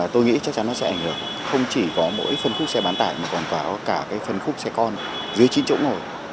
tôi nghĩ chắc chắn nó sẽ ảnh hưởng không chỉ có mỗi phần khúc xe bán tải mà còn có cả phần khúc xe con dưới chín chỗ ngồi